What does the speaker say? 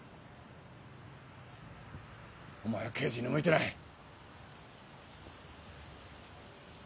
お前は刑事に向いてない。